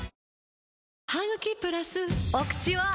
お口は！